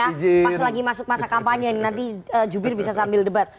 pas lagi masuk masa kampanye ini nanti jubir bisa sambil debat